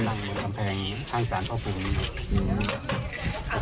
บนกำแพงที่ทางภาพภูมิ